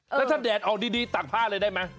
แล้วถ้าแดดออกดีตักผ้าเลยได้ไหม